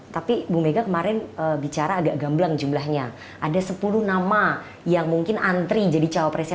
tapi bumega kemarin bicara agak gamblang jumlahnya ada sepuluh nama yang mungkin antri jadi cowok presnya